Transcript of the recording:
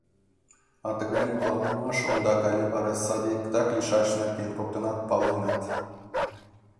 А тыгай мутланымаш ондак але вара садиктак лийшаш нерген коктынат паленыт.